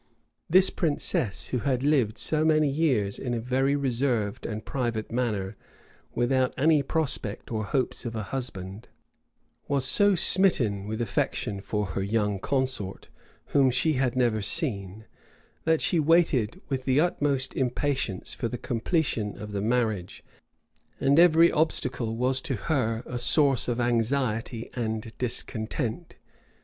This princess, who had lived so many years in a very reserved and private manner, without any prospect or hopes of a husband, was so smitten with affection for her young consort, whom she had never seen, that she waited with the utmost impatience for the completion of the marriage; and every obstacle was to her a source of anxiety and discontent.